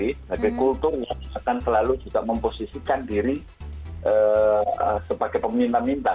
sebagai kultur yang akan selalu juga memposisikan diri sebagai pemerintah minta